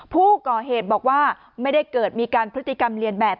ผู้ก่อเหตุบอกว่าไม่ได้เกิดมีการพฤติกรรมเรียนแบบ